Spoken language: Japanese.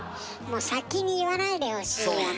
先に言わないでほしいよね。